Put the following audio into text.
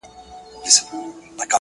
په دربار کي د زمري پاچا مېلمه سو -